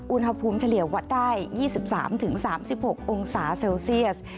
อุณหภูมิเฉลี่ยวัดได้๒๓๓๖องศาเซลเซียส